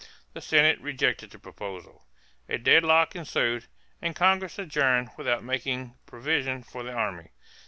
The Senate rejected the proposal. A deadlock ensued and Congress adjourned without making provision for the army.